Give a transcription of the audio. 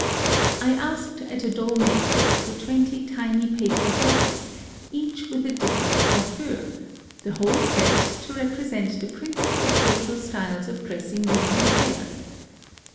I asked at a doll maker's for twenty tiny paper dolls, each with a different coiffure, — the whole set to represent the principal Kyoto styles of dressing women's hair.